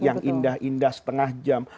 yang indah indah setengah jam